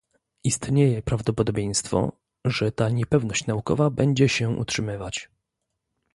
Istnieje prawdopodobieństwo, że ta niepewność naukowa będzie się utrzymywać